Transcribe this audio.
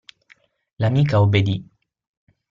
L'amica obbedì.